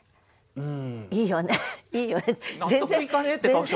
うん。